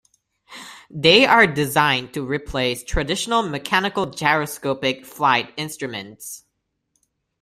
They are designed to replace traditional mechanical gyroscopic flight instruments.